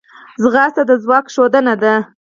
ځغاسته د ځواک ښودنه ده